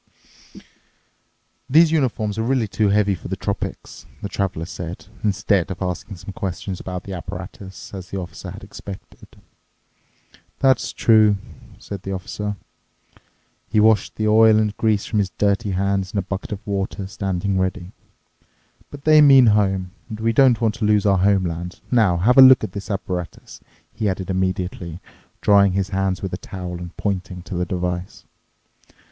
"These uniforms are really too heavy for the tropics," the Traveler said, instead of asking some questions about the apparatus, as the Officer had expected. "That's true," said the Officer. He washed the oil and grease from his dirty hands in a bucket of water standing ready, "but they mean home, and we don't want to lose our homeland." "Now, have a look at this apparatus," he added immediately, drying his hands with a towel and pointing to the device.